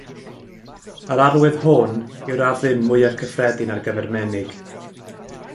Yr arwydd hwn yw'r addurn mwyaf cyffredin ar gyfer menig.